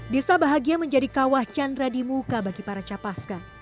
desa bahagia menjadi kawah chandra di muka bagi para capaska